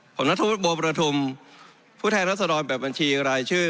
ผมรัฐวุทธบัวประธุมผู้แท้ลักษณอนแบบบัญชีไรค์ชื่อ